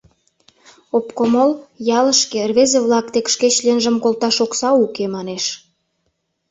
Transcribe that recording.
Обкомол «ялышке, рвезе-влак дек шке членжым колташ окса уке» манеш.